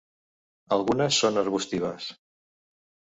Algunes són arbustives.